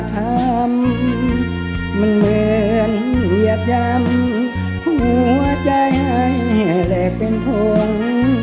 มันเหมือนอยากจำหัวใจและเป็นทวง